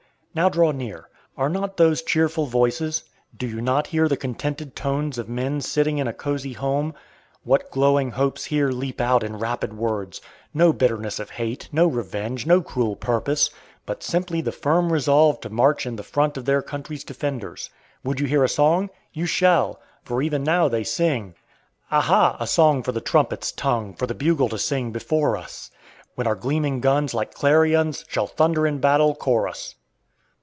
Now draw near. Are not those cheerful voices? Do you not hear the contented tones of men sitting in a cosy home? What glowing hopes here leap out in rapid words! No bitterness of hate, no revenge, no cruel purpose; but simply the firm resolve to march in the front of their country's defenders. Would you hear a song? You shall, for even now they sing: "Aha! a song for the trumpet's tongue! For the bugle to sing before us, When our gleaming guns, like clarions, Shall thunder in battle chorus!"